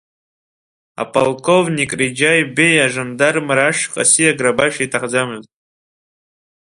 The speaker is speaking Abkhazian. Аполковник Реџьаи Беи ажандармра ашҟа сиагара баша иҭахӡамызт.